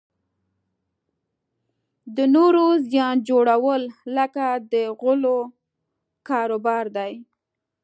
د نورو زیان جوړول لکه د غولو کاروبار دی.